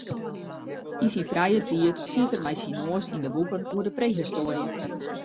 Yn syn frije tiid siet er mei syn noas yn de boeken oer prehistoarje.